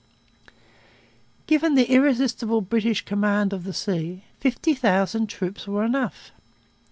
Given the irresistible British command of the sea, fifty thousand troops were enough.